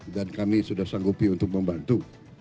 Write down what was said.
dan kami sudah sanggupi untuk membantu